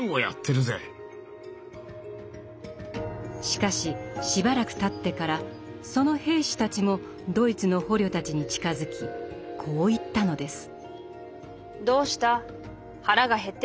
しかししばらくたってからその兵士たちもドイツの捕虜たちに近づきこう言ったのです。